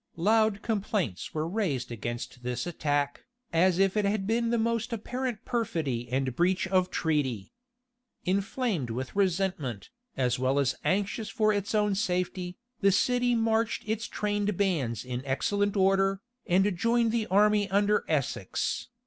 Loud complaints were raised against this attack, as if it had been the most apparent perfidy and breach of treaty.[] Inflamed with resentment, as well as anxious for its own safety, the city marched its trained bands in excellent order, and joined the army under Essex.